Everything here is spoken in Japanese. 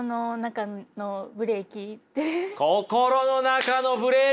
心の中のブレーキ！